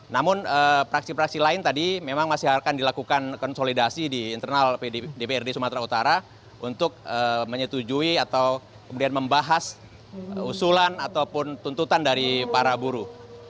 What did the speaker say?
namun praksi praksi lain tadi memang masih akan dilakukan konsolidasi di internal dprd sumatera utara untuk menyetujui atau kemudian membahas usulan ataupun tuntutan dari para buruh